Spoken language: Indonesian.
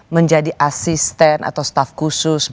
menjadi asisten atau staff khusus